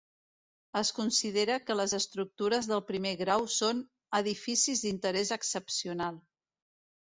Es considera que les estructures del primer grau són "edificis d'interès excepcional".